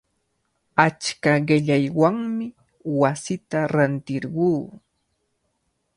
Achka qillaywanmi wasita rantirquu.